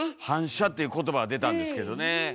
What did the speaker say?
「反射」っていう言葉は出たんですけどねえ。